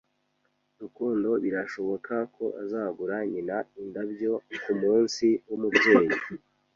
Rukundo birashoboka ko azagura nyina indabyo kumunsi wumubyeyi.